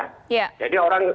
jadi orang kubuk dengan orang lain